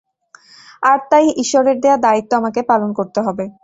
আর তাই ঈশ্বরের দেয়া দায়িত্ব আমাকে পালন করতে হবে।